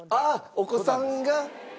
お子さんが。